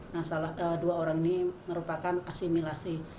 nah dua orang ini merupakan asimilasi